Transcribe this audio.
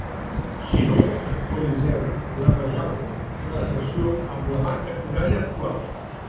Si no, actualitzeu la variable de la sessió amb la marca horària actual.